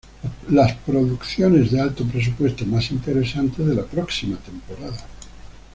Las producciones de alto presupuesto más interesantes de la próxima temporada.